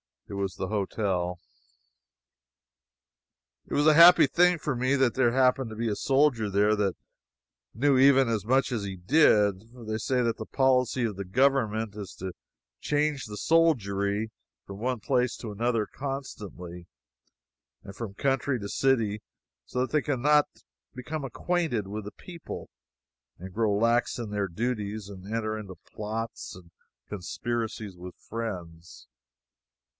It was the hotel! It was a happy thing for me that there happened to be a soldier there that knew even as much as he did; for they say that the policy of the government is to change the soldiery from one place to another constantly and from country to city, so that they can not become acquainted with the people and grow lax in their duties and enter into plots and conspiracies with friends.